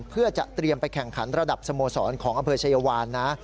เพื่อจะเตรียมไปแข่งขันระดับสโมสรของอำเภอชายวานนะ